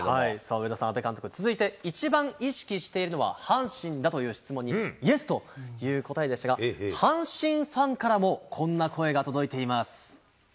上田さん、阿部監督、続いて、一番意識しているのは阪神だという質問に、ＹＥＳという答えですが、阪神ファンからもこんな声が届いています。